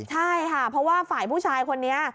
ใช่ค่ะเพราะว่าฝ่ายผู้ชายคนนี้